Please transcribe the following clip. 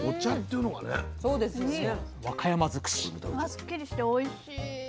わっすっきりしておいしい！